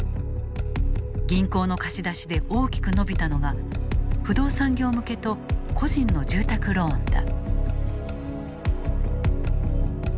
銀行の貸し出しで大きく伸びたのが不動産業向けと個人の住宅ローンだ。